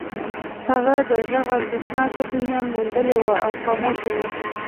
هغه د غږ ارزښتناکه دنيا موندلې وه او خوښ و.